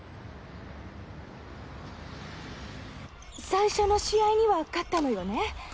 最初の試合には勝ったのよね？